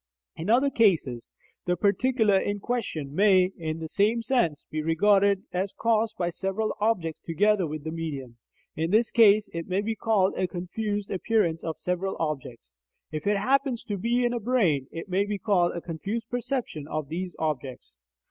In other cases, the particular in question may, in the same sense, be regarded as caused by several objects together with the medium; in this case, it may be called a confused appearance of several objects. If it happens to be in a brain, it may be called a confused perception of these objects.